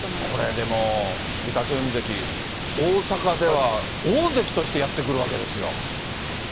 これでも、御嶽海関、大阪では大関としてやって来るわけですよ。